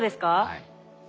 はい。